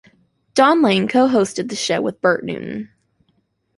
Don Lane co-hosted the show with Bert Newton.